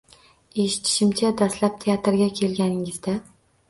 — Eshitishimcha, dastlab teatrga kelganingizda